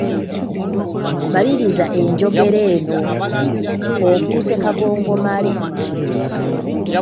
Maliriza enjogera eno: Ofuuse kagongomale…